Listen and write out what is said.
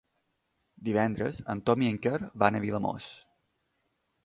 Divendres en Tom i en Quer van a Vilamòs.